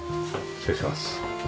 失礼します。